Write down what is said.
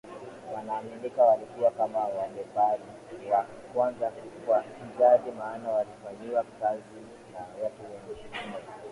wanaaminika walikuwa kama mabepari wa kwanza wa kijadi maana walifanyiwa kazi na watu wengine